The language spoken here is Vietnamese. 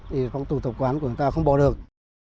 thì công tục tập quán của người ta không bỏ được